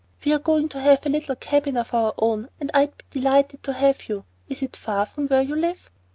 We're going to have a little cabin of our own, and I'd be delighted to have you. Is it far from where you live?"